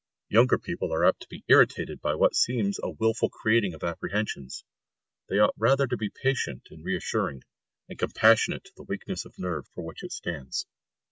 Younger people are apt to be irritated by what seems a wilful creating of apprehensions. They ought rather to be patient and reassuring, and compassionate to the weakness of nerve for which it stands.